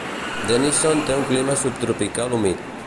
Denison té un clima subtropical humit.